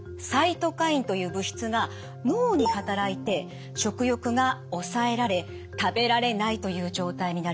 サイトカインという物質が脳に働いて食欲が抑えられ食べられないという状態になります。